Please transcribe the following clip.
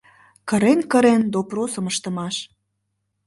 КЫРЕН-КЫРЕН ДОПРОСЫМ ЫШТЫМАШ